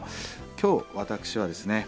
今日私はですね